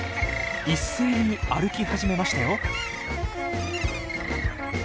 一斉に歩き始めましたよ。